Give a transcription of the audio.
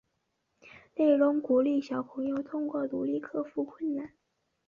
内容鼓励小朋友通过努力克服困难。